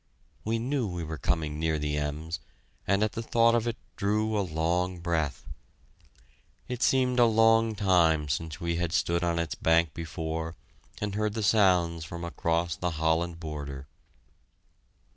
We knew we were coming near the Ems, and at the thought of it, drew a long breath. It seemed a long time since we had stood on its bank before and heard the sounds from across the Holland border.